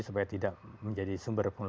supaya tidak menjadi sumber penularan